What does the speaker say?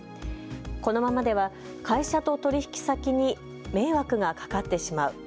このままでは会社と取引先に迷惑がかかってしまう。